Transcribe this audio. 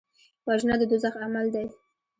وژنه د دوزخ عمل دی